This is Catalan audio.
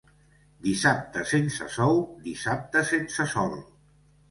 Dissabte sense sou, dissabte sense sol.